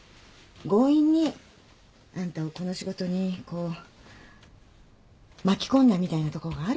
強引にあんたをこの仕事にこう巻き込んだみたいなとこがあるじゃん。